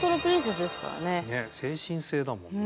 精神性だもんね。